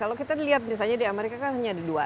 kalau kita lihat misalnya di amerika kan hanya ada dua